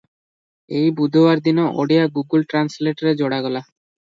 ଏଇ ବୁଧବାର ଦିନ ଓଡ଼ିଆ "ଗୁଗୁଲ ଟ୍ରାନ୍ସଲେଟ"ରେ ଯୋଡ଼ାଗଲା ।